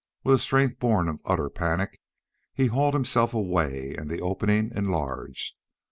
With a strength born of utter panic he hauled himself away and the opening enlarged.